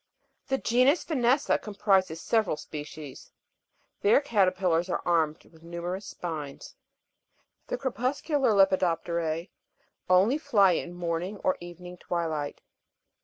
20. The genus Vanessa comprises several species. Their ca terpillars are armed with numerous spines (fg. 46). Fig. 46. VANESSA. 21. The CREPUSCULAR LEPIUOP'TEK.E only fly in morning or evening twilight.